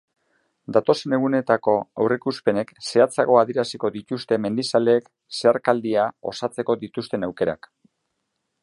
Datozen egunetako aurreikuspenek zehatzago adieraziko dituzte mendizaleek zeharkaldia osatzeko dituzten aukerak.